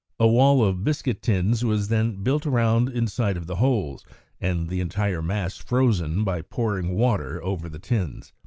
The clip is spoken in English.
A wall of biscuit tins was then built round the inside of the holes, and the entire mass frozen by pouring water over the tins.